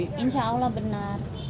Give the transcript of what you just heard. iya insya allah benar